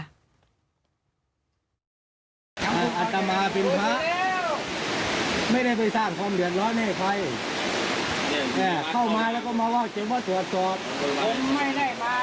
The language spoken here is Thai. ฮะอย่าแสดงทำกับผู้ที่ไว้อาวุธเตือน